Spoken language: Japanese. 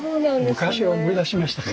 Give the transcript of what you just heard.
昔を思い出しましたか。